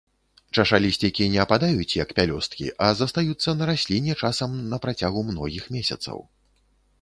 Чашалісцікі не ападаюць, як пялёсткі, а застаюцца на расліне часам на працягу многіх месяцаў.